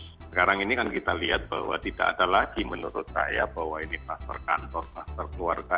sekarang ini kan kita lihat bahwa tidak ada lagi menurut saya bahwa ini kluster kantor kluster keluarga